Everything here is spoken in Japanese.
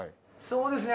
そうですね。